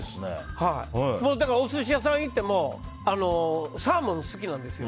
だから、お寿司屋さんに行ってもサーモン好きなんですよ。